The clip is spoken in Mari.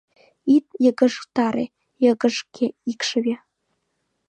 — Ит йыгыжтаре, йыгыжге икшыве!..